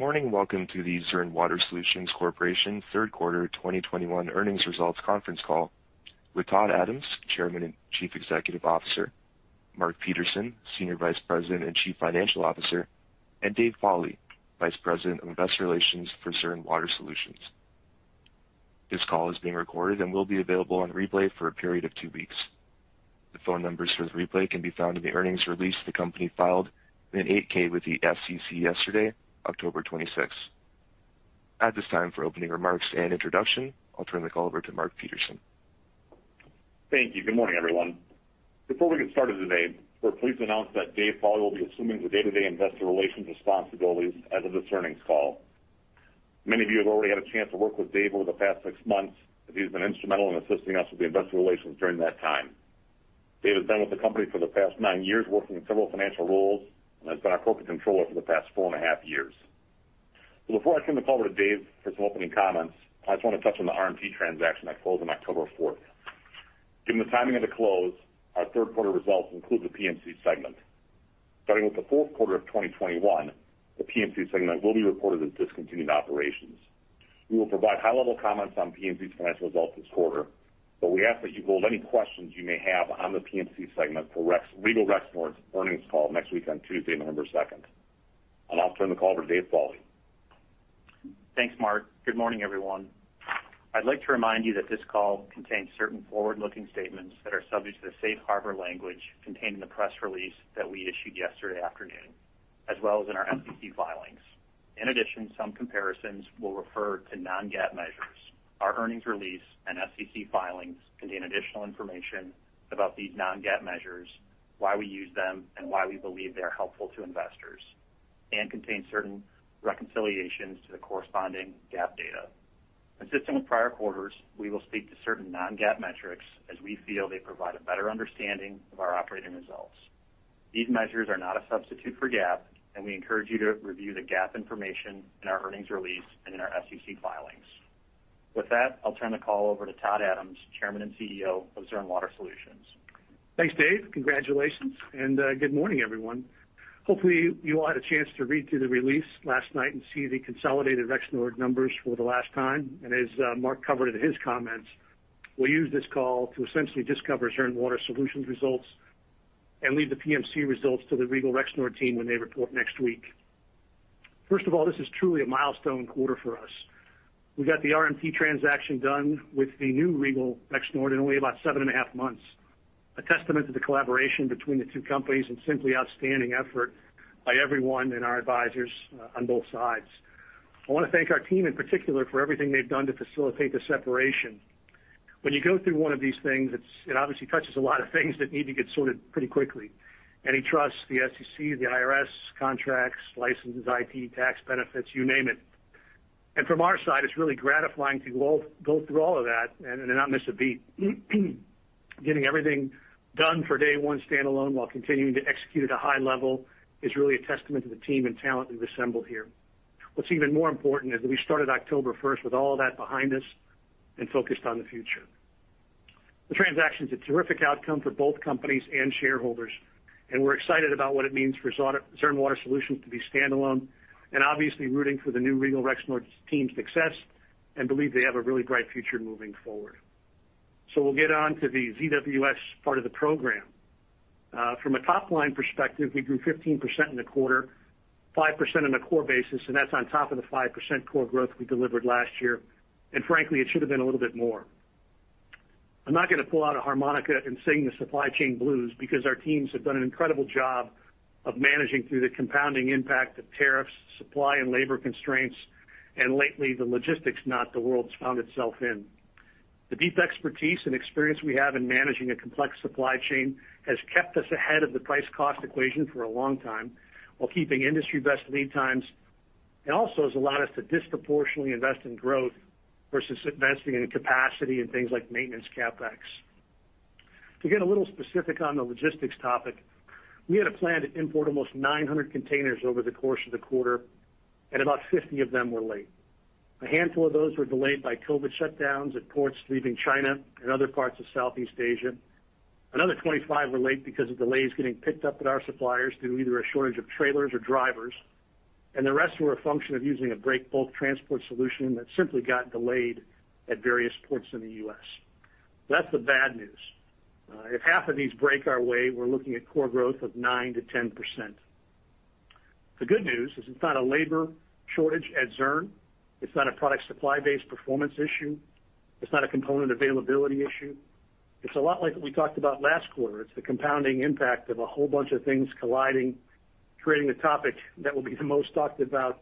Good morning and welcome to the Zurn Water Solutions Corporation Q3 2021 Earnings Results Conference Call with Todd Adams, Chairman and Chief Executive Officer, Mark Peterson, Senior Vice President and Chief Financial Officer, and Dave Pauli, Vice President of Investor Relations for Zurn Water Solutions. This call is being recorded and will be available on replay for a period of two weeks. The phone numbers for the replay can be found in the earnings release the company filed in an 8-K with the SEC yesterday, October 26. At this time, for opening remarks and introduction, I'll turn the call over to Mark Peterson. Thank you. Good morning, everyone. Before we get started today, we're pleased to announce that Dave Pauli will be assuming the day-to-day Investor Relations responsibilities as of this earnings call. Many of you have already had a chance to work with Dave over the past six months, as he's been instrumental in assisting us with the investor relations during that time. Dave has been with the company for the past nine years working in several financial roles, and has been our corporate controller for the past four and a half years. Before I turn the call over to Dave for some opening comments, I just wanna touch on the RMT transaction that closed on October 4. Given the timing of the close, our Q3 results include the PMC segment. Starting with the Q4 of 2021, the PMC segment will be reported as discontinued operations. We will provide high-level comments on PMC's financial results this quarter, but we ask that you hold any questions you may have on the PMC segment for Regal Rexnord earnings call next week on Tuesday, November 2. I'll turn the call over to Dave Pauli. Thanks, Mark. Good morning, everyone. I'd like to remind you that this call contains certain forward-looking statements that are subject to the safe harbor language contained in the press release that we issued yesterday afternoon, as well as in our SEC filings. In addition, some comparisons will refer to non-GAAP measures. Our earnings release and SEC filings contain additional information about these non-GAAP measures, why we use them, and why we believe they are helpful to investors, and contain certain reconciliations to the corresponding GAAP data. Consistent with prior quarters, we will speak to certain non-GAAP metrics as we feel they provide a better understanding of our operating results. These measures are not a substitute for GAAP, and we encourage you to review the GAAP information in our earnings release and in our SEC filings. With that, I'll turn the call over to Todd Adams, Chairman and CEO of Zurn Water Solutions. Thanks, Dave. Congratulations, and good morning, everyone. Hopefully, you all had a chance to read through the release last night and see the consolidated Rexnord numbers for the last time. As Mark covered in his comments, we'll use this call to essentially just cover Zurn Water Solutions results and leave the PMC results to the Regal Rexnord team when they report next week. First of all, this is truly a milestone quarter for us. We got the RMT transaction done with the new Regal Rexnord in only about 7.5 months, a testament to the collaboration between the two companies and simply outstanding effort by everyone and our advisors on both sides. I wanna thank our team in particular for everything they've done to facilitate the separation. When you go through one of these things, it's obviously touches a lot of things that need to get sorted pretty quickly. Any trusts, the SEC, the IRS, contracts, licenses, IT, tax benefits, you name it. From our side, it's really gratifying to go through all of that and not miss a beat. Getting everything done for day one standalone while continuing to execute at a high level is really a testament to the team and talent we've assembled here. What's even more important is that we started October 1 with all of that behind us and focused on the future. The transaction's a terrific outcome for both companies and shareholders, and we're excited about what it means for Zurn Water Solutions to be standalone, and obviously rooting for the new Regal Rexnord team's success, and believe they have a really bright future moving forward. We'll get on to the ZWS part of the program. From a top-line perspective, we grew 15% in the quarter, 5% on a core basis, and that's on top of the 5% core growth we delivered last year. Frankly, it should have been a little bit more. I'm not gonna pull out a harmonica and sing the supply chain blues because our teams have done an incredible job of managing through the compounding impact of tariffs, supply and labor constraints, and lately, the logistics knot the world's found itself in. The deep expertise and experience we have in managing a complex supply chain has kept us ahead of the price-cost equation for a long time while keeping industry-best lead times. It also has allowed us to disproportionately invest in growth versus investing in capacity and things like maintenance CapEx. To get a little specific on the logistics topic, we had a plan to import almost 900 containers over the course of the quarter, and about 50 of them were late. A handful of those were delayed by COVID shutdowns at ports leaving China and other parts of Southeast Asia. Another 25 were late because of delays getting picked up at our suppliers due to either a shortage of trailers or drivers, and the rest were a function of using a break bulk transport solution that simply got delayed at various ports in the U.S. That's the bad news. If half of these break our way, we're looking at core growth of 9%-10%. The good news is it's not a labor shortage at Zurn. It's not a product supply-based performance issue. It's not a component availability issue. It's a lot like what we talked about last quarter. It's the compounding impact of a whole bunch of things colliding, creating the topic that will be the most talked about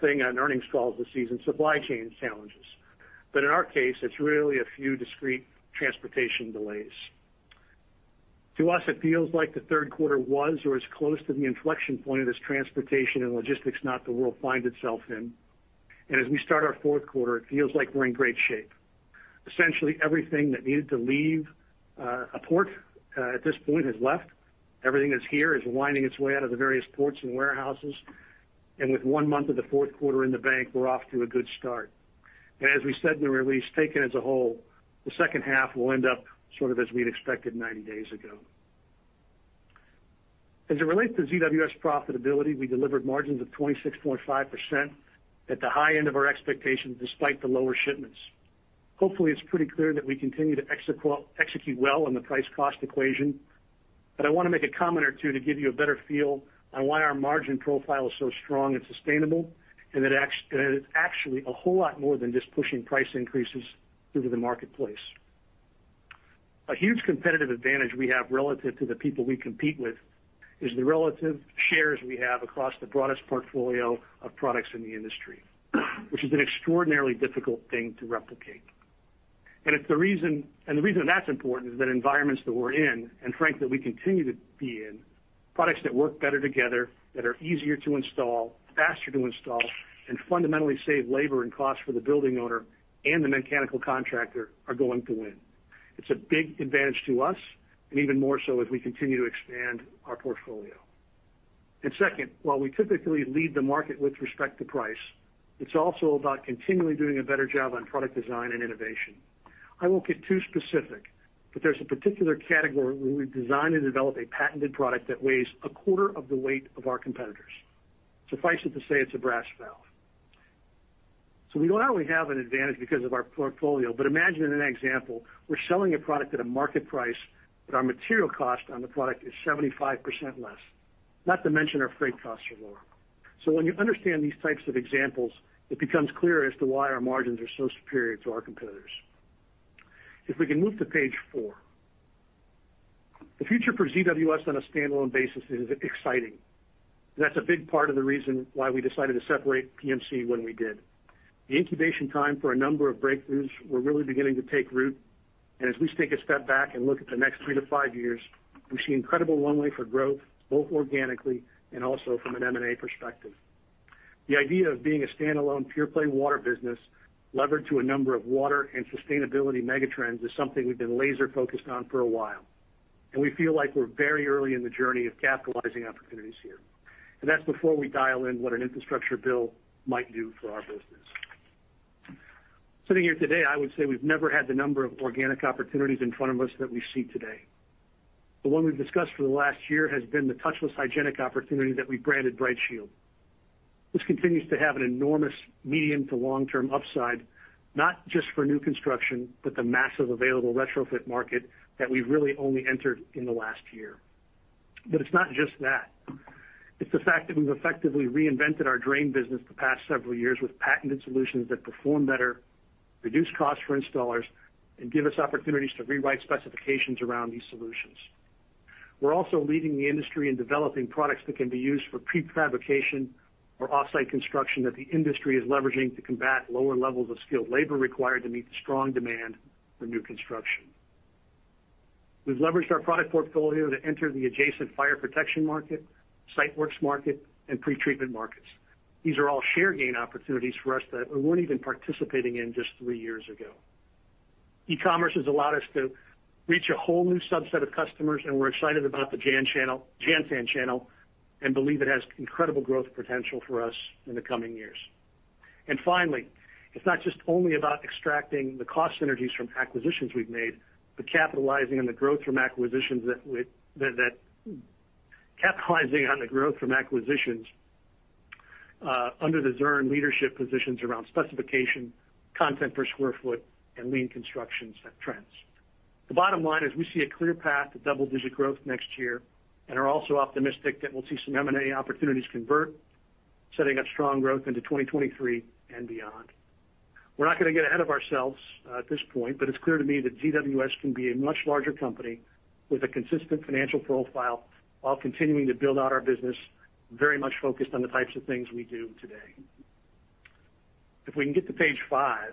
thing on earnings calls this season, supply chain challenges. In our case, it's really a few discrete transportation delays. To us, it feels like the third quarter was or is close to the inflection point of this transportation and logistics knot the world find itself in. As we start our Q4, it feels like we're in great shape. Essentially, everything that needed to leave a port at this point has left. Everything that's here is winding its way out of the various ports and warehouses. With one month of the Q4 in the bank, we're off to a good start. As we said in the release, taken as a whole, the second half will end up sort of as we'd expected 90 days ago. As it relates to ZWS profitability, we delivered margins of 26.5% at the high end of our expectations despite the lower shipments. Hopefully, it's pretty clear that we continue to execute well on the price cost equation. But I wanna make a comment or two to give you a better feel on why our margin profile is so strong and sustainable, and it's actually a whole lot more than just pushing price increases into the marketplace. A huge competitive advantage we have relative to the people we compete with is the relative shares we have across the broadest portfolio of products in the industry, which is an extraordinarily difficult thing to replicate. The reason that's important is that environments that we're in, and frankly, we continue to be in, products that work better together, that are easier to install, faster to install, and fundamentally save labor and cost for the building owner and the mechanical contractor are going to win. It's a big advantage to us, and even more so as we continue to expand our portfolio. Second, while we typically lead the market with respect to price, it's also about continually doing a better job on product design and innovation. I won't get too specific, but there's a particular category where we've designed and developed a patented product that weighs a quarter of the weight of our competitors. Suffice it to say it's a brass valve. We not only have an advantage because of our portfolio, but imagine in an example, we're selling a product at a market price, but our material cost on the product is 75% less, not to mention our freight costs are lower. When you understand these types of examples, it becomes clear as to why our margins are so superior to our competitors. If we can move to page four. The future for ZWS on a standalone basis is exciting. That's a big part of the reason why we decided to separate PMC when we did. The incubation time for a number of breakthroughs were really beginning to take root. As we take a step back and look at the next three-to-five years, we see incredible runway for growth, both organically and also from an M&A perspective. The idea of being a standalone pure play water business levered to a number of water and sustainability mega trends is something we've been laser focused on for a while, and we feel like we're very early in the journey of capitalizing opportunities here. That's before we dial in what an infrastructure bill might do for our business. Sitting here today, I would say we've never had the number of organic opportunities in front of us that we see today. The one we've discussed for the last year has been the touchless hygienic opportunity that we branded BrightShield, which continues to have an enormous medium to long-term upside, not just for new construction, but the massive available retrofit market that we've really only entered in the last year. It's not just that. It's the fact that we've effectively reinvented our drain business the past several years with patented solutions that perform better, reduce costs for installers, and give us opportunities to rewrite specifications around these solutions. We're also leading the industry in developing products that can be used for prefabrication or off-site construction that the industry is leveraging to combat lower levels of skilled labor required to meet the strong demand for new construction. We've leveraged our product portfolio to enter the adjacent fire protection market, site works market, and pretreatment markets. These are all share gain opportunities for us that we weren't even participating in just three years ago. E-commerce has allowed us to reach a whole new subset of customers, and we're excited about the JanSan channel and believe it has incredible growth potential for us in the coming years. Finally, it's not just only about extracting the cost synergies from acquisitions we've made, but capitalizing on the growth from acquisitions under the Zurn leadership positions around specification, content per square foot, and lean construction set trends. The bottom line is we see a clear path to double-digit growth next year and are also optimistic that we'll see some M&A opportunities convert, setting up strong growth into 2023 and beyond. We're not gonna get ahead of ourselves at this point, but it's clear to me that ZWS can be a much larger company with a consistent financial profile while continuing to build out our business, very much focused on the types of things we do today. If we can get to page five.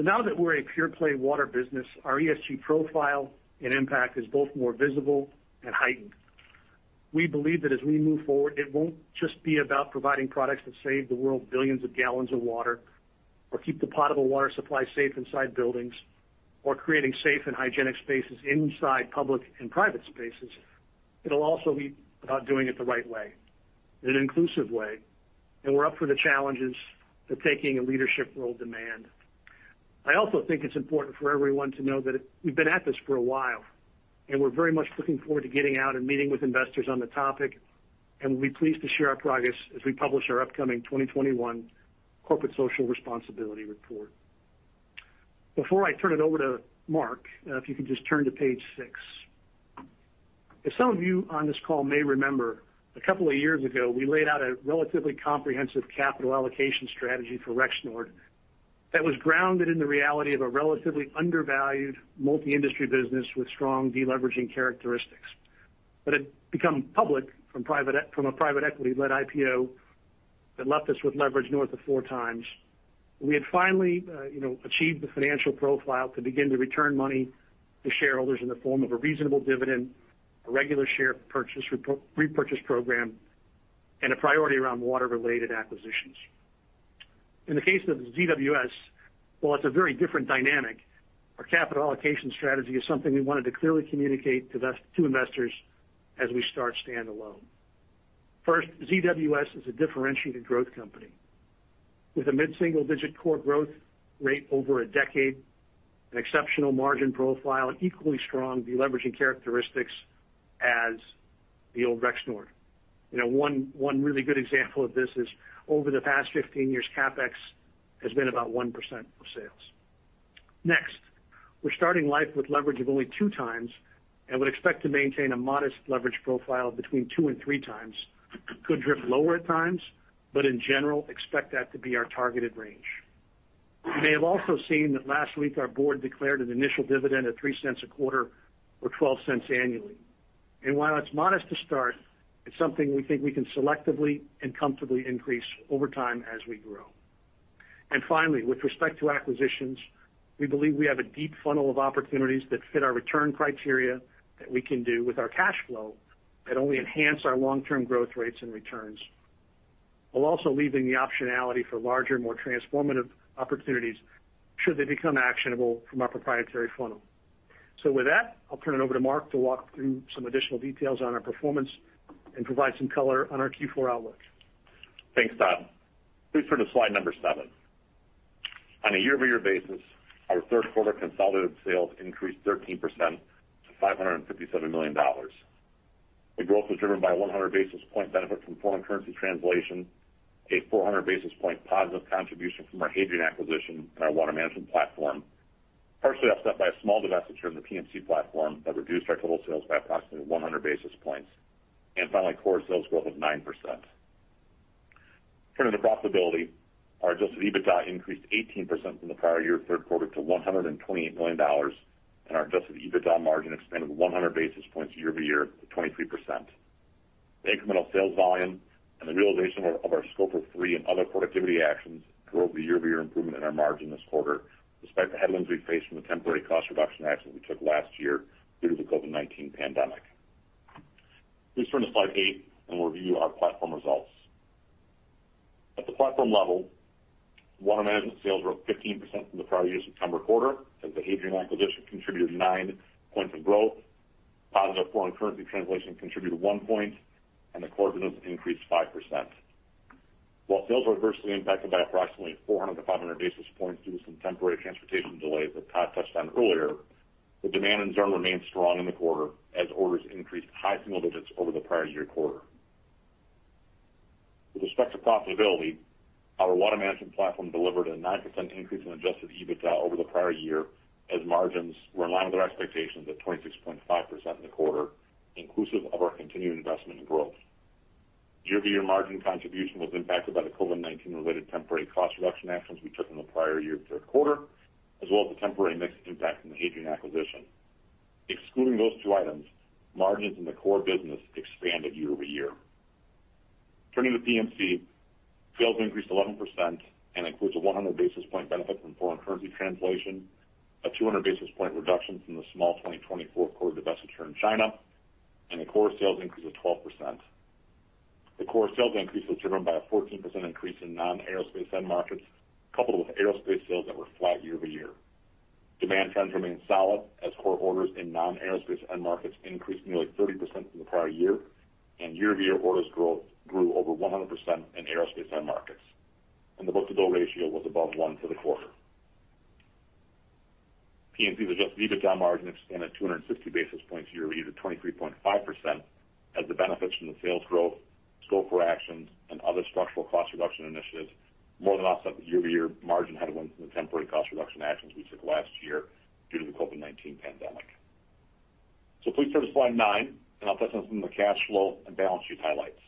Now that we're a pure play water business, our ESG profile and impact is both more visible and heightened. We believe that as we move forward, it won't just be about providing products that save the world billions of gallons of water or keep the potable water supply safe inside buildings or creating safe and hygienic spaces inside public and private spaces. It'll also be about doing it the right way, in an inclusive way, and we're up for the challenges that taking a leadership role demand. I also think it's important for everyone to know that we've been at this for a while, and we're very much looking forward to getting out and meeting with investors on the topic, and we'll be pleased to share our progress as we publish our upcoming 2021 corporate social responsibility report. Before I turn it over to Mark, if you can just turn to page six. As some of you on this call may remember, a couple of years ago, we laid out a relatively comprehensive capital allocation strategy for Rexnord that was grounded in the reality of a relatively undervalued multi-industry business with strong deleveraging characteristics. It became public from a private equity-led IPO that left us with leverage north of 4x. We had finally, you know, achieved the financial profile to begin to return money to shareholders in the form of a reasonable dividend, a regular share repurchase program, and a priority around water-related acquisitions. In the case of ZWS, while it's a very different dynamic, our capital allocation strategy is something we wanted to clearly communicate to investors as we start standalone. First, ZWS is a differentiated growth company. With a mid-single-digit core growth rate over a decade, an exceptional margin profile, equally strong deleveraging characteristics as the old Rexnord. You know, one really good example of this is over the past 15 years, CapEx has been about 1% of sales. Next, we're starting life with leverage of only 2x, and would expect to maintain a modest leverage profile between 2x and 3x. Could drift lower at times, but in general, expect that to be our targeted range. You may have also seen that last week our board declared an initial dividend of $0.03 a quarter or $0.12 annually. While it's modest to start, it's something we think we can selectively and comfortably increase over time as we grow. Finally, with respect to acquisitions, we believe we have a deep funnel of opportunities that fit our return criteria that we can do with our cash flow that only enhance our long-term growth rates and returns, while also leaving the optionality for larger, more transformative opportunities should they become actionable from our proprietary funnel. With that, I'll turn it over to Mark to walk through some additional details on our performance and provide some color on our Q4 outlook. Thanks, Todd. Please turn to slide number seven. On a year-over-year basis, our Q3 consolidated sales increased 13% to $557 million. The growth was driven by 100 basis points benefit from foreign currency translation, a 400 basis points positive contribution from our Hadrian acquisition and our water management platform, partially offset by a small divestiture in the PMC platform that reduced our total sales by approximately 100 basis points, and finally, core sales growth of 9%. Turning to profitability, our adjusted EBITDA increased 18% from the prior year third quarter to $128 million, and our adjusted EBITDA margin expanded 100 basis points year-over-year to 23%. The incremental sales volume and the realization of our scope of three and other productivity actions drove the year-over-year improvement in our margin this quarter, despite the headwinds we faced from the temporary cost reduction actions we took last year due to the COVID-19 pandemic. Please turn to slide eight and review our platform results. At the platform level, water management sales were up 15% from the prior year September quarter, as the Hadrian acquisition contributed nine points of growth. Positive foreign currency translation contributed one point, and the core business increased 5%. While sales were adversely impacted by approximately 400-500 basis points due to some temporary transportation delays that Todd touched on earlier, the demand in Zurn remains strong in the quarter as orders increased high single digits over the prior year quarter. With respect to profitability, our water management platform delivered a 9% increase in adjusted EBITDA over the prior year as margins were in line with our expectations at 26.5% in the quarter, inclusive of our continued investment in growth. Year-over-year margin contribution was impacted by the COVID-19 related temporary cost reduction actions we took in the prior-year third quarter, as well as the temporary mix impact from the Hadrian acquisition. Excluding those two items, margins in the core business expanded year-over-year. Turning to PMC, sales increased 11% and includes a 100 basis point benefit from foreign currency translation, a 200 basis point reduction from the small 2020 Q4 divestiture in China, and a core sales increase of 12%. The core sales increase was driven by a 14% increase in non-aerospace end markets, coupled with aerospace sales that were flat year-over-year. Demand trends remained solid as core orders in non-aerospace end markets increased nearly 30% from the prior year, and year-over-year orders growth grew over 100% in aerospace end markets. The book-to-bill ratio was above one for the quarter. PMC's adjusted EBITDA margin expanded 250 basis points year-over-year to 23.5% as the benefits from the sales growth, scope for actions, and other structural cost reduction initiatives more than offset the year-over-year margin headwinds from the temporary cost reduction actions we took last year due to the COVID-19 pandemic. Please turn to slide nine, and I'll touch on some of the cash flow and balance sheet highlights.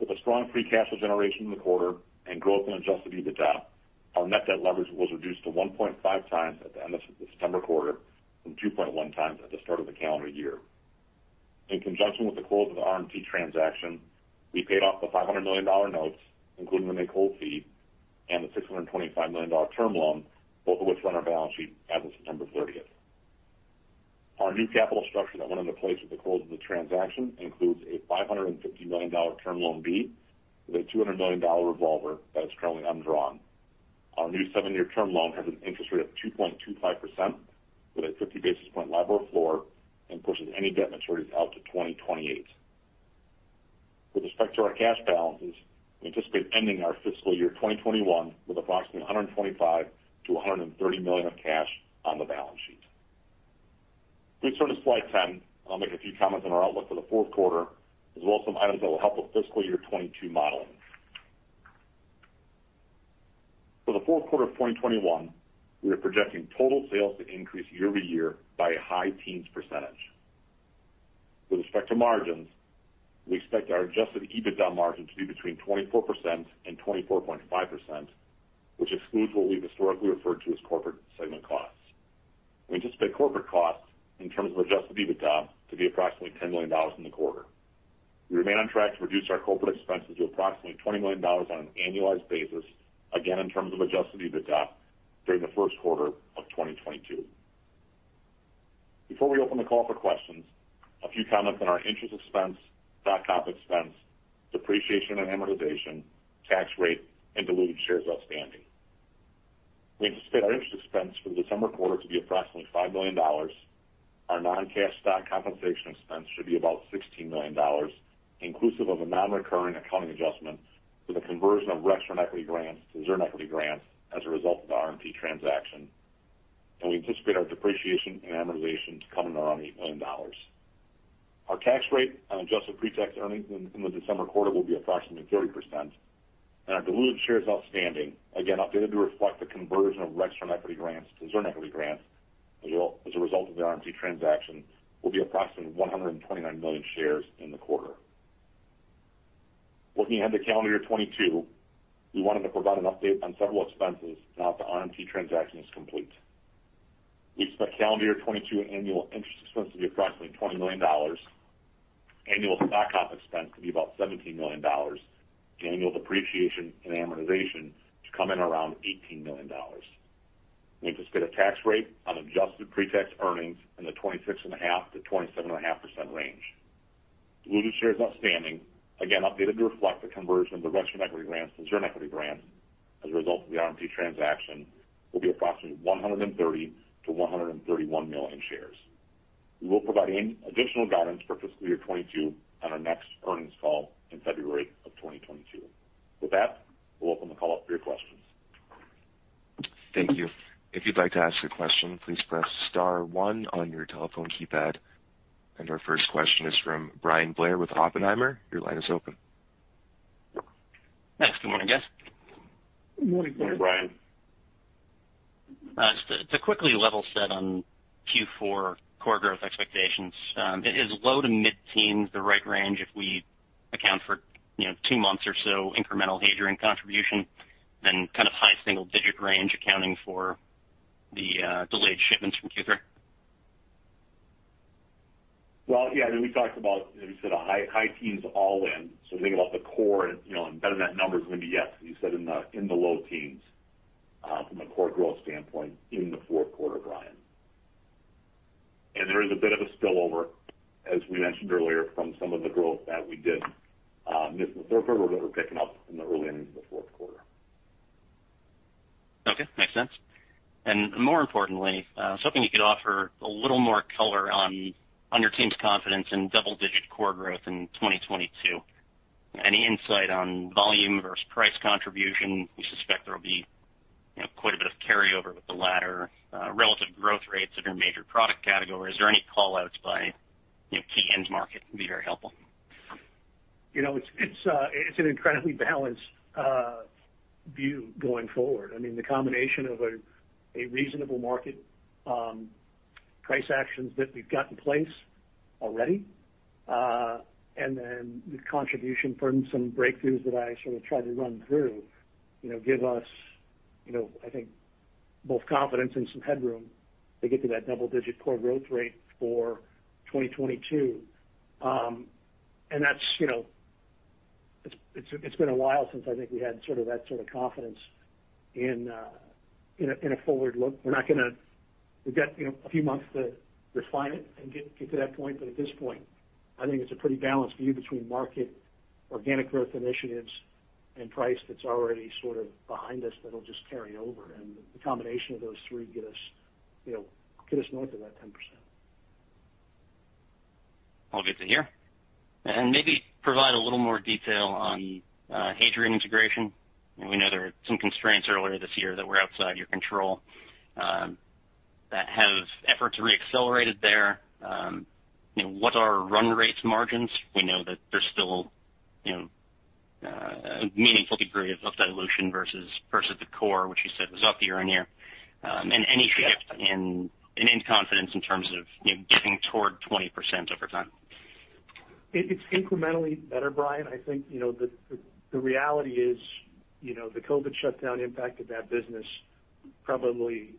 With a strong free cash flow generation in the quarter and growth in adjusted EBITDA, our net debt leverage was reduced to 1.x at the end of the September quarter from 2.1x at the start of the calendar year. In conjunction with the close of the RMT transaction, we paid off the $500 million notes, including the make whole fee and the $625 million term loan, both of which were on our balance sheet as of September 30. Our new capital structure that went into place with the close of the transaction includes a $550 million term loan B with a $200 million revolver that is currently undrawn. Our new 7-year term loan has an interest rate of 2.25% with a 50 basis point LIBOR floor and pushes any debt maturities out to 2028. With respect to our cash balances, we anticipate ending our fiscal year 2021 with approximately $125 million-$130 million of cash on the balance sheet. Please turn to slide 10, and I'll make a few comments on our outlook for the Q4 as well as some items that will help with fiscal year 2022 modeling. For the Q4 of 2021, we are projecting total sales to increase year-over-year by a high-teens percentage. With respect to margins, we expect our adjusted EBITDA margin to be between 24% and 24.5%, which excludes what we've historically referred to as corporate segment costs. We anticipate corporate costs in terms of adjusted EBITDA to be approximately $10 million in the quarter. We remain on track to reduce our corporate expenses to approximately $20 million on an annualized basis, again, in terms of adjusted EBITDA during the first quarter of 2022. Before we open the call for questions, a few comments on our interest expense, stock comp expense, depreciation and amortization, tax rate, and diluted shares outstanding. We anticipate our interest expense for the December quarter to be approximately $5 million. Our non-cash stock compensation expense should be about $16 million, inclusive of a non-recurring accounting adjustment for the conversion of Rexnord equity grants to Zurn equity grants as a result of the RMT transaction. We anticipate our depreciation and amortization to come in around $8 million. Our tax rate on adjusted pre-tax earnings in the December quarter will be approximately 30%. Our diluted shares outstanding, again, updated to reflect the conversion of Rexnord equity grants to Zurn equity grants as a result of the RMT transaction, will be approximately 129 million shares in the quarter. Looking ahead to calendar year 2022, we wanted to provide an update on several expenses now that the RMT transaction is complete. We expect calendar year 2022 annual interest expense to be approximately $20 million. Annual stock comp expense to be about $17 million, and annual depreciation and amortization to come in around $18 million. We anticipate a tax rate on adjusted pre-tax earnings in the 26.5%-27.5% range. Diluted shares outstanding, again updated to reflect the conversion of the Rexnord equity grants to Zurn equity grants as a result of the RMT transaction, will be approximately 130-131 million shares. We will provide any additional guidance for fiscal year 2022 on our next earnings call in February 2022. With that, we'll open the call up for your questions. Thank you. If you'd like to ask a question, please press star one on your telephone keypad. Our first question is from Bryan Blair with Oppenheimer. Your line is open. Thanks. Good morning, guys. Good morning, Bryan. Just to quickly level set on Q4 core growth expectations, is low to mid-teens the right range if we account for, you know, two months or so incremental Hadrian contribution, then kind of high single-digit range accounting for the delayed shipments from Q3. Well, yeah, I mean, we talked about, as you said, high teens all in. When you think about the core and, you know, embedded net numbers maybe, yes, as you said, in the low teens, from a core growth standpoint in the Q4, Bryan. There is a bit of a spillover, as we mentioned earlier, from some of the growth that we did miss in the third quarter that we're picking up in the early innings of the Q4. Okay. Makes sense. More importantly, something you could offer a little more color on your team's confidence in double-digit core growth in 2022. Any insight on volume versus price contribution? We suspect there will be, you know, quite a bit of carryover with the latter, relative growth rates in your major product categories. Is there any callouts by, you know, key end market can be very helpful. You know, it's an incredibly balanced view going forward. I mean, the combination of a reasonable market, price actions that we've got in place already, and then the contribution from some breakthroughs that I sort of tried to run through, you know, give us, you know, I think both confidence and some headroom to get to that double-digit core growth rate for 2022. That's, you know, it's been a while since I think we had sort of that sort of confidence in a forward look. We've got, you know, a few months to refine it and get to that point. At this point, I think it's a pretty balanced view between market organic growth initiatives and price that's already sort of behind us that'll just carry over. The combination of those three get us, you know, north of that 10%. All good to hear. Maybe provide a little more detail on Hadrian integration. We know there were some constraints earlier this year that were outside your control that efforts have re-accelerated there. What are run-rate margins? We know that there's still a meaningful degree of dilution versus the core, which you said was up year-over-year. Any shift in confidence in terms of getting toward 20% over time. It's incrementally better, Bryan. I think, you know, the reality is, you know, the COVID shutdown impacted that business probably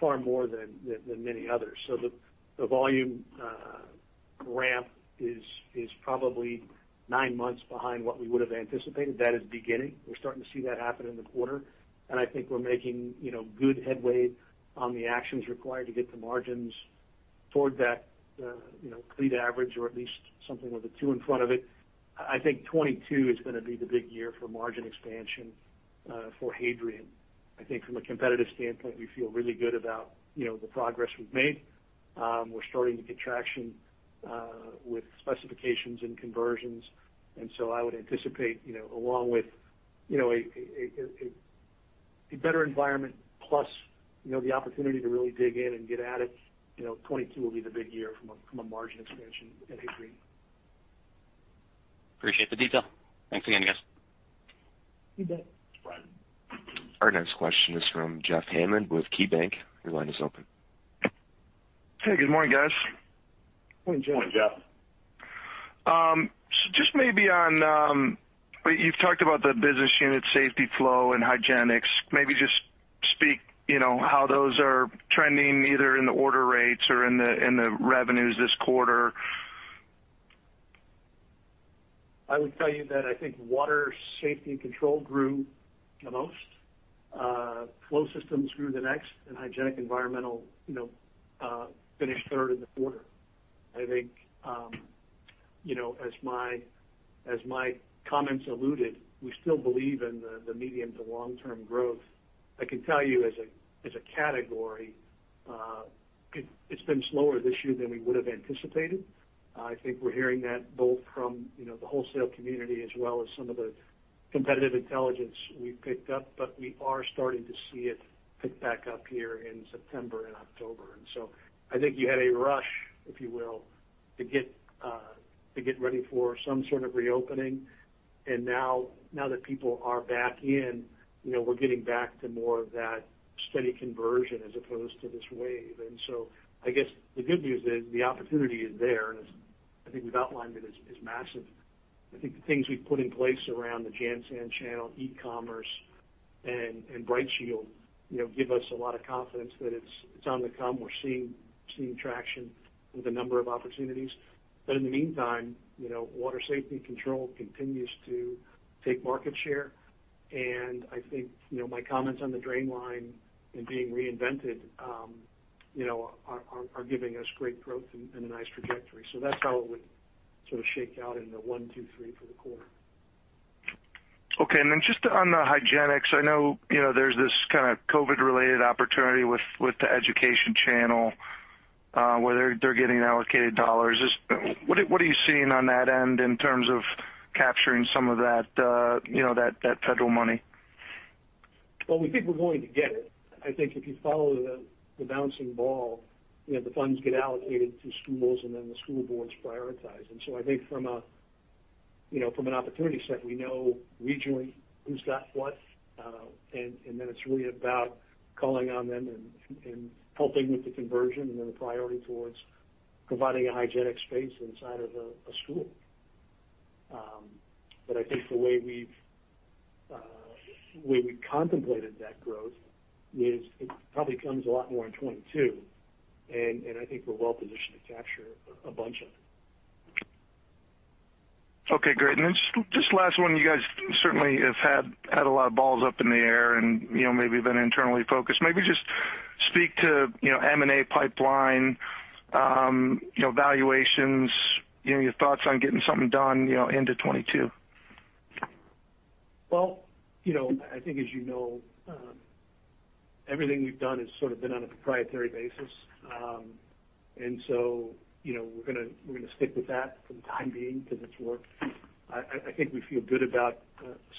far more than many others. So the volume ramp is probably nine months behind what we would've anticipated. That is beginning. We're starting to see that happen in the quarter, and I think we're making, you know, good headway on the actions required to get the margins toward that, you know, fleet average or at least something with a two in front of it. I think 2022 is gonna be the big year for margin expansion for Hadrian. I think from a competitive standpoint, we feel really good about, you know, the progress we've made. We're starting to get traction with specifications and conversions. I would anticipate, you know, along with, you know, a better environment plus, you know, the opportunity to really dig in and get at it. You know, 2022 will be the big year from a margin expansion at Hadrian. Appreciate the detail. Thanks again, guys. You bet. Our next question is from Jeff Hammond with KeyBanc Capital Markets. Your line is open. Hey, good morning, guys. Good morning, Jeff. Just maybe on the business unit Safety Flow and hygienics. Maybe just speak, you know, how those are trending either in the order rates or in the revenues this quarter. I would tell you that I think water safety and control grew the most. Flow systems grew the next, and hygienic environmental, you know, finished third in the quarter. I think, you know, as my comments alluded, we still believe in the medium to long term growth. I can tell you as a category, it's been slower this year than we would have anticipated. I think we're hearing that both from, you know, the wholesale community as well as some of the competitive intelligence we've picked up, but we are starting to see it pick back up here in September and October. I think you had a rush, if you will, to get ready for some sort of reopening. Now that people are back in, you know, we're getting back to more of that steady conversion as opposed to this wave. I guess the good news is the opportunity is there, and as I think we've outlined it, is massive. I think the things we've put in place around the JanSan channel, e-commerce and BrightShield, you know, give us a lot of confidence that it's on the come. We're seeing traction with a number of opportunities. In the meantime, you know, water safety and control continues to take market share. I think, you know, my comments on the drain line and being reinvented, you know, are giving us great growth and a nice trajectory. That's how it would sort of shake out in the one, two, three for the quarter. Okay. Then just on the hygienics, I know, you know, there's this kind of COVID related opportunity with the education channel, where they're getting allocated dollars. What are you seeing on that end in terms of capturing some of that, you know, that federal money? Well, we think we're going to get it. I think if you follow the bouncing ball, you know, the funds get allocated to schools, and then the school boards prioritize. I think from an opportunity set, we know regionally who's got what, and then it's really about calling on them and helping with the conversion and then the priority towards providing a hygienic space inside of a school. I think the way we contemplated that growth is it probably comes a lot more in 2022, and we're well positioned to capture a bunch of it. Okay, great. Then just last one. You guys certainly have had a lot of balls up in the air and, you know, maybe been internally focused. Maybe just speak to, you know, M&A pipeline, you know, valuations, you know, your thoughts on getting something done, you know, into 2022. Well, you know, I think as you know, everything we've done has sort of been on a proprietary basis. You know, we're gonna stick with that for the time being because it's worked. I think we feel good about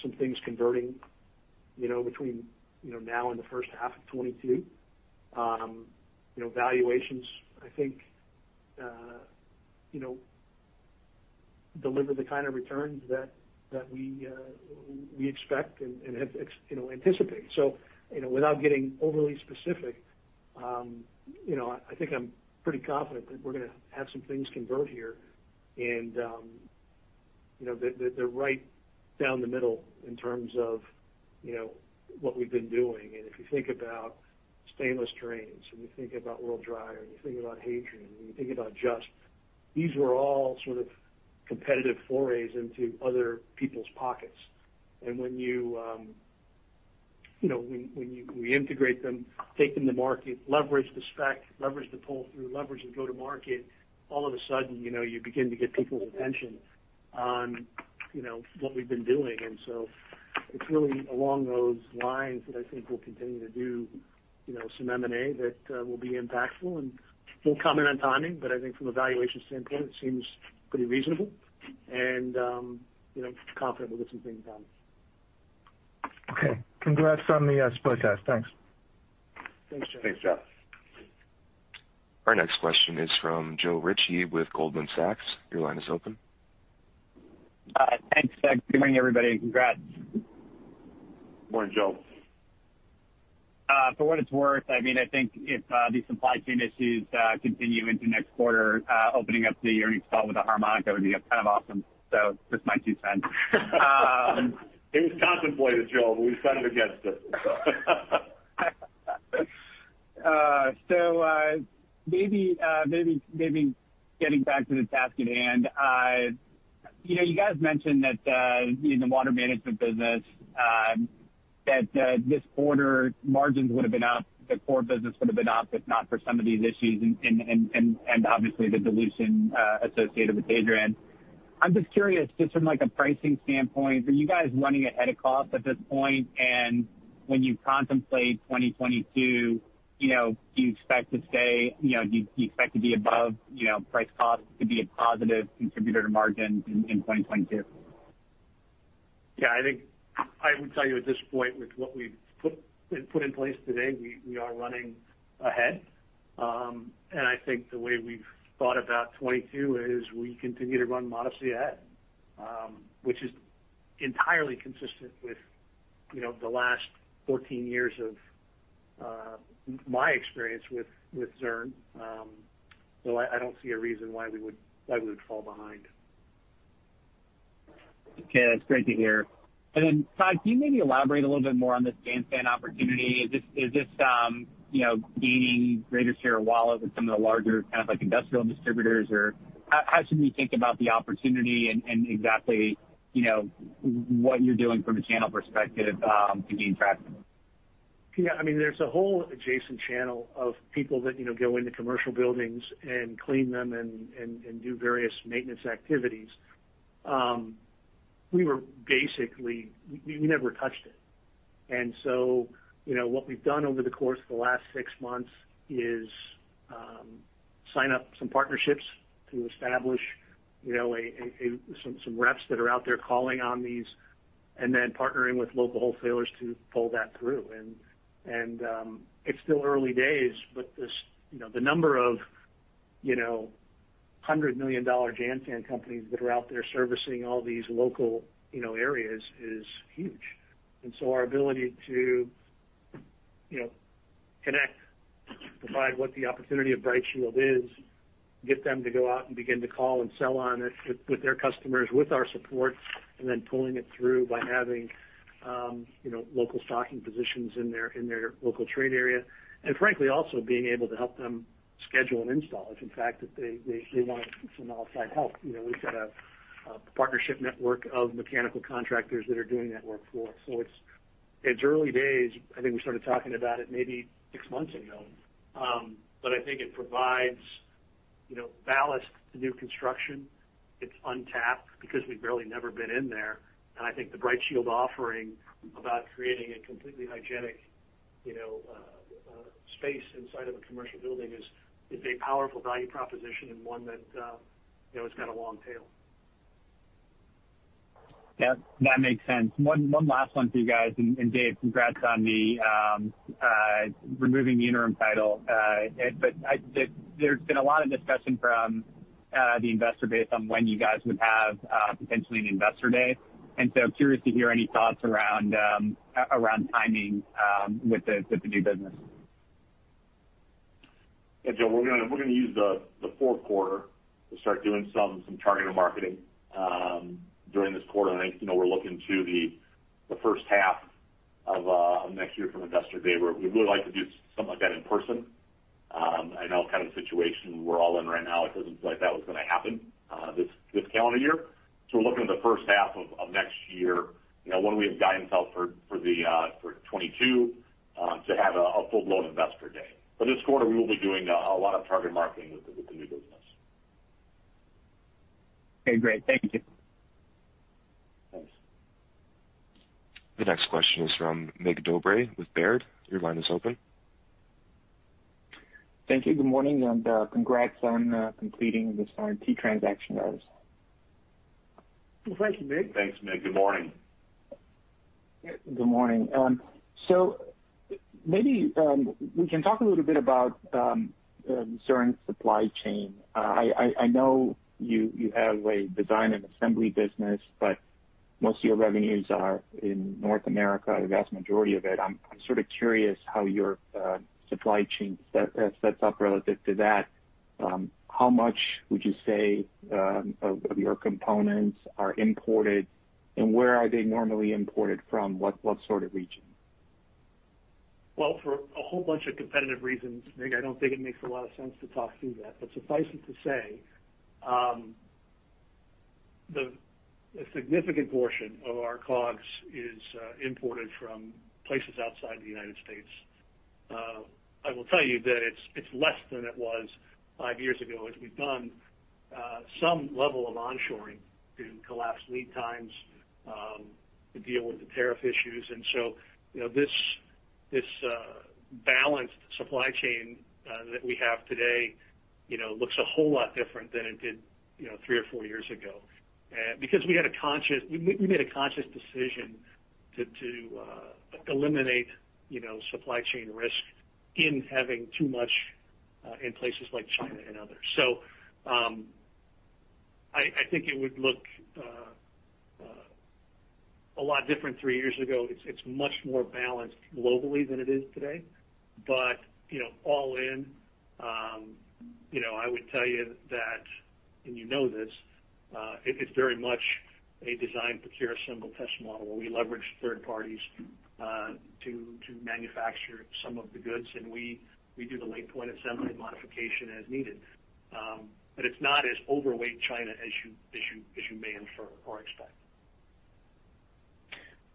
some things converting, you know, between, you know, now and the first half of 2022. You know, valuations, I think, you know, deliver the kind of returns that we expect and anticipate. You know, without getting overly specific, you know, I think I'm pretty confident that we're gonna have some things convert here. You know, they're right down the middle in terms of, you know, what we've been doing. If you think about stainless drains, and you think about World Dryer, and you think about Hadrian, and you think about Just, these were all sort of competitive forays into other people's pockets. When we integrate them, take them to market, leverage the spec, leverage the pull through, leverage the go to market, all of a sudden, you know, you begin to get people's attention on, you know, what we've been doing. It's really along those lines that I think we'll continue to do, you know, some M&A that will be impactful. I won't comment on timing, but I think from a valuation standpoint, it seems pretty reasonable and confident we'll get some things done. Okay. Congrats on the split test. Thanks. Thanks, Jeff. Thanks, Jeff. Our next question is from Joe Ritchie with Goldman Sachs. Your line is open. Thanks. Good morning, everybody, and congrats. Morning, Joe. For what it's worth, I mean, I think if these supply chain issues continue into next quarter, opening up the earnings call with a harmonica would be kind of awesome. Just my two cents. It was contemplated, Joe, but we sided against it, so. Maybe getting back to the task at hand. You know, you guys mentioned that in the Water Management business, that this quarter margins would have been up, the core business would have been up if not for some of these issues and obviously the dilution associated with Hadrian. I'm just curious, just from like a pricing standpoint, are you guys running ahead of cost at this point? When you contemplate 2022, you know, do you expect to be above, you know, price cost to be a positive contributor to margin in 2022? Yeah, I think I would tell you at this point with what we've put in place today, we are running ahead. I think the way we've thought about 2022 is we continue to run modestly ahead, which is entirely consistent with, you know, the last 14 years of my experience with Zurn. I don't see a reason why we would fall behind. Okay. That's great to hear. Todd, can you maybe elaborate a little bit more on this JanSan opportunity? Is this, you know, gaining greater share of wallet with some of the larger kind of like industrial distributors? Or how should we think about the opportunity and exactly, you know, what you're doing from a channel perspective to gain traction? Yeah, I mean, there's a whole adjacent channel of people that, you know, go into commercial buildings and clean them and do various maintenance activities. We never touched it. You know, what we've done over the course of the last six months is sign up some partnerships to establish, you know, some reps that are out there calling on these and then partnering with local wholesalers to pull that through. It's still early days, but this, you know, the number of, you know, $100 million JanSan companies that are out there servicing all these local, you know, areas is huge. Our ability to, you know, connect, provide what the opportunity of BrightShield is, get them to go out and begin to call and sell on it with their customers, with our support, and then pulling it through by having, you know, local stocking positions in their local trade area. Frankly, also being able to help them schedule an install if in fact that they want some outside help. You know, we've got a partnership network of mechanical contractors that are doing that work for us. It's early days. I think we started talking about it maybe six months ago. But I think it provides, you know, ballast to new construction. It's untapped because we've really never been in there. I think the BrightShield offering about creating a completely hygienic, you know, space inside of a commercial building is a powerful value proposition and one that, you know, it's got a long tail. Yeah, that makes sense. One last one for you guys, and Dave, congrats on removing the interim title. But there's been a lot of discussion from the investor base on when you guys would have potentially an Investor Day. I'm curious to hear any thoughts around timing with the new business. Yeah, Joe, we're gonna use the fourth quarter to start doing some targeted marketing during this quarter. I think, you know, we're looking to the first half of next year for an investor day where we'd really like to do something like that in person. I know the kind of situation we're all in right now. It doesn't feel like that was gonna happen this calendar year. We're looking at the first half of next year, you know, when we have guidance out for 2022, to have a full-blown investor day. This quarter, we will be doing a lot of targeted marketing with the new business. Okay, great. Thank you. Thanks. The next question is from Mike Halloran with Baird. Your line is open. Thank you. Good morning, and congrats on completing this RMT transaction, guys. Well, thank you, Mike. Thanks, Mike. Good morning. Good morning. Maybe we can talk a little bit about certain supply chain. I know you have a design and assembly business, but most of your revenues are in North America, the vast majority of it. I'm sort of curious how your supply chain sets up relative to that. How much would you say of your components are imported, and where are they normally imported from? What sort of region? Well, for a whole bunch of competitive reasons, Mike, I don't think it makes a lot of sense to talk through that. Suffice it to say, a significant portion of our COGS is imported from places outside the United States. I will tell you that it's less than it was five years ago, as we've done some level of onshoring to collapse lead times to deal with the tariff issues. You know, this balanced supply chain that we have today, you know, looks a whole lot different than it did, you know, three or four years ago. Because we made a conscious decision to eliminate, you know, supply chain risk in having too much in places like China and others. I think it would look a lot different three years ago. It's much more balanced globally than it is today. You know, all in, you know, I would tell you that, and you know this, it is very much a design, procure, assemble, test model, where we leverage third parties to manufacture some of the goods, and we do the late point assembly modification as needed. It's not as overweight in China as you may infer or expect.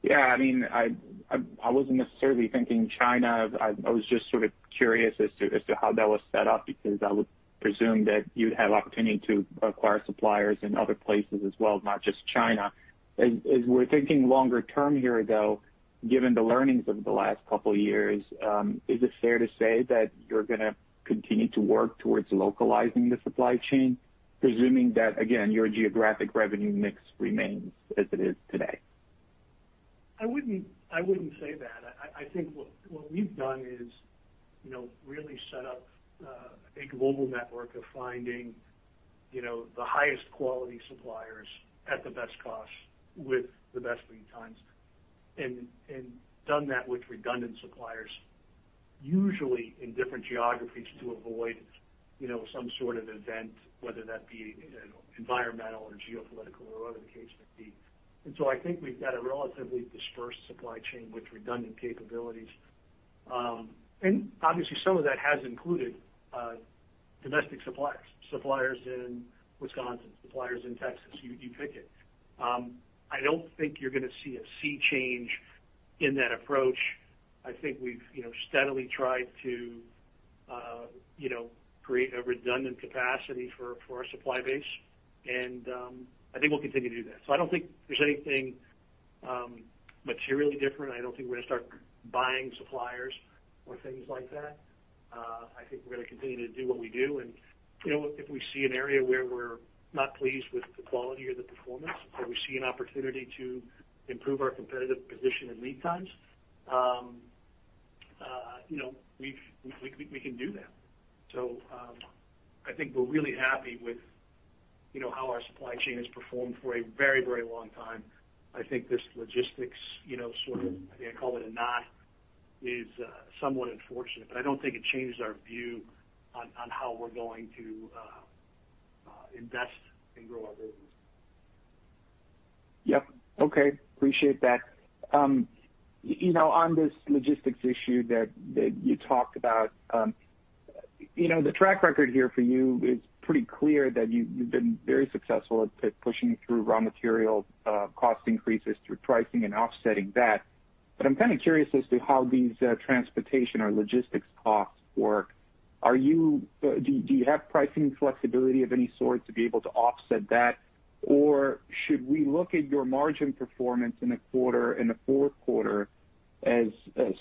Yeah. I mean, I wasn't necessarily thinking China. I was just sort of curious as to how that was set up, because I would presume that you'd have opportunity to acquire suppliers in other places as well, not just China. As we're thinking longer term here, though, given the learnings of the last couple years, is it fair to say that you're gonna continue to work towards localizing the supply chain, presuming that, again, your geographic revenue mix remains as it is today? I wouldn't say that. I think what we've done is, you know, really set up a global network of finding, you know, the highest quality suppliers at the best cost with the best lead times, and done that with redundant suppliers, usually in different geographies to avoid, you know, some sort of event, whether that be, you know, environmental or geopolitical or whatever the case may be. I think we've got a relatively dispersed supply chain with redundant capabilities. And obviously some of that has included domestic suppliers. Suppliers in Wisconsin, suppliers in Texas, you pick it. I don't think you're gonna see a sea change in that approach. I think we've, you know, steadily tried to, you know, create a redundant capacity for our supply base. I think we'll continue to do that. I don't think there's anything materially different. I don't think we're gonna start buying suppliers or things like that. I think we're gonna continue to do what we do. You know, if we see an area where we're not pleased with the quality or the performance, or we see an opportunity to improve our competitive position and lead times, you know, we can do that. I think we're really happy with, you know, how our supply chain has performed for a very, very long time. I think this logistics, you know, sort of, I think I call it a knot, is somewhat unfortunate, but I don't think it changes our view on how we're going to invest and grow our business. Yep. Okay. Appreciate that. You know, on this logistics issue that you talked about, you know, the track record here for you is pretty clear that you've been very successful at pushing through raw material cost increases through pricing and offsetting that. I'm kind of curious as to how these transportation or logistics costs work. Do you have pricing flexibility of any sort to be able to offset that? Or should we look at your margin performance in a quarter, in the fourth quarter as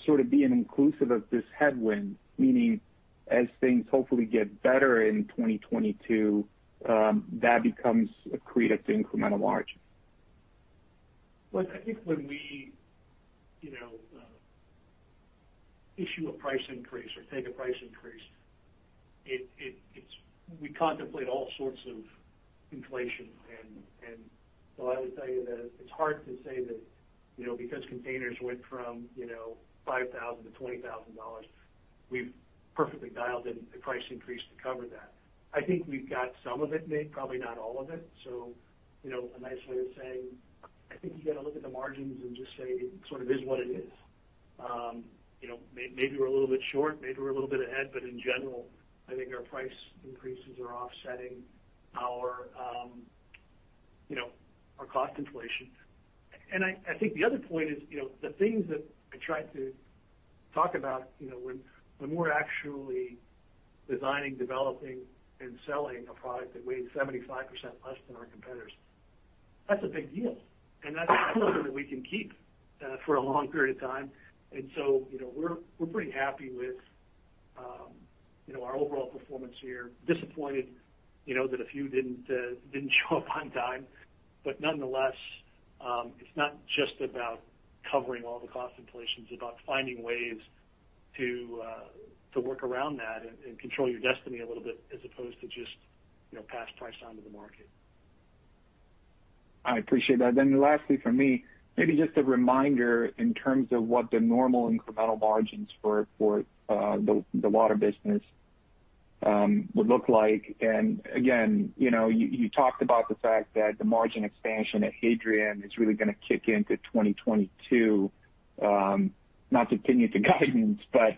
sort of being inclusive of this headwind? Meaning, as things hopefully get better in 2022, that becomes accretive to incremental margin. Look, I think when we, you know, issue a price increase or take a price increase, we contemplate all sorts of inflation. So I would tell you that it's hard to say that, you know, because containers went from, you know, $5,000-$20,000, we've perfectly dialed in a price increase to cover that. I think we've got some of it made, probably not all of it. You know, a nice way of saying, I think you gotta look at the margins and just say it sort of is what it is. You know, maybe we're a little bit short, maybe we're a little bit ahead. In general, I think our price increases are offsetting our, you know, our cost inflation. I think the other point is, you know, the things that I tried to talk about, you know, when we're actually designing, developing, and selling a product that weighs 75% less than our competitors, that's a big deal. That's something that we can keep for a long period of time. You know, we're pretty happy with, you know, our overall performance here. Disappointed, you know, that a few didn't show up on time. Nonetheless, it's not just about covering all the cost inflations, it's about finding ways to work around that and control your destiny a little bit, as opposed to just, you know, pass price onto the market. I appreciate that. Lastly from me, maybe just a reminder in terms of what the normal incremental margins for the water business would look like. Again, you know, you talked about the fact that the margin expansion at Hadrian is really gonna kick in to 2022. Not to continue the guidance, but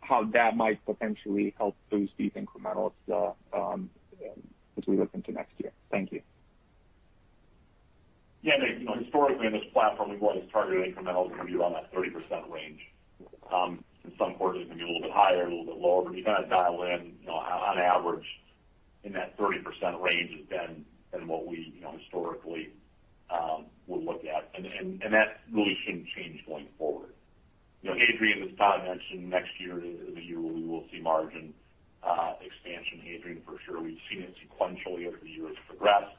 how that might potentially help boost these incrementals as we look into next year? Thank you. Yeah. Historically on this platform, we've always targeted incrementals gonna be around that 30% range. In some quarters, it can be a little bit higher, a little bit lower, but you kind of dial in, you know, on average in that 30% range has been what we, you know, historically would look at. That really shouldn't change going forward. You know, Hadrian, as Todd mentioned, next year is the year where we will see margin expansion at Hadrian for sure. We've seen it sequentially over the years progress.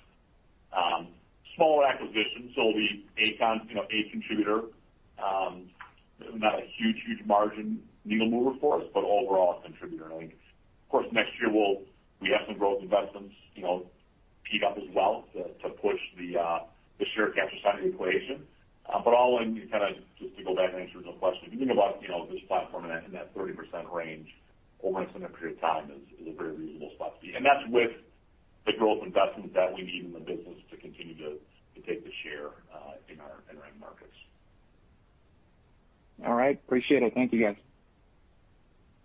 Smaller acquisitions, so it'll be a contributor. Not a huge margin needle mover for us, but overall a contributor. I think, of course, next year we have some growth investments, you know, beef up as well to push the share capture side of the equation. But all in, kind of just to go back and answer your question, thinking about, you know, this platform in that 30% range over an extended period of time is a very reasonable spot to be. That's with the growth investments that we need in the business to continue to take the share in our end markets. All right. Appreciate it. Thank you, guys.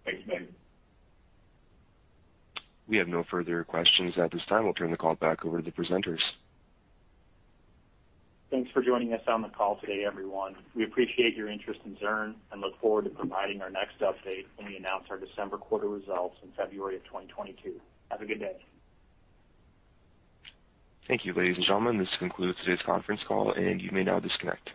Thanks, Mike. We have no further questions at this time. I'll turn the call back over to the presenters. Thanks for joining us on the call today, everyone. We appreciate your interest in Zurn and look forward to providing our next update when we announce our December quarter results in February of 2022. Have a good day. Thank you, ladies and gentlemen. This concludes today's conference call, and you may now disconnect.